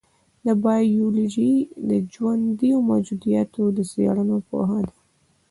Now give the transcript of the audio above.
بایولوژي د ژوندیو موجوداتو د څېړنې پوهه ده.